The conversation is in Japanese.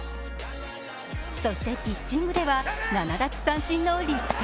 そして、ピッチングでは７奪三振の力投。